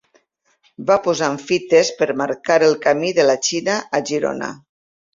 Va posant fites per marcar el camí de la Xina a Girona.